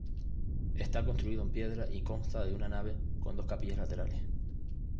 Está construido en piedra y consta de una nave con dos capillas laterales.